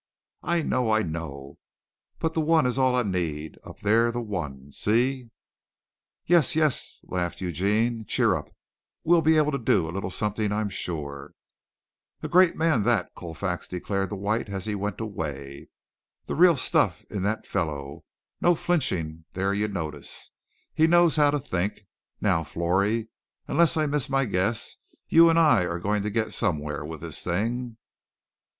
"I know, I know, but the one is all I need up there the one, see?" "Yes, yes," laughed Eugene, "cheer up. We'll be able to do a little something, I'm sure." "A great man, that," Colfax declared to White as he went away. "The real stuff in that fellow, no flinching there you notice. He knows how to think. Now, Florrie, unless I miss my guess you and I are going to get somewhere with this thing."